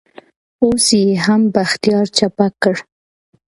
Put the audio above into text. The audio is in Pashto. اوس يې هم بختيار چپه کړ.